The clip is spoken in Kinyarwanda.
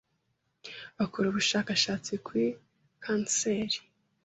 bakora ubushakashatsi kuri kanseri